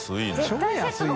超安いね。